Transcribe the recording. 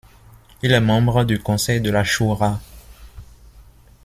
Il est membre du Conseil de la Choura.